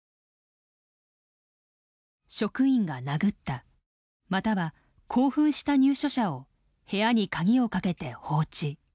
職員が殴ったまたは興奮した入所者を部屋に鍵をかけて放置。